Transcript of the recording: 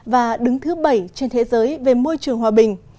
và đứng thứ bảy trên thế giới về môi trường hòa bình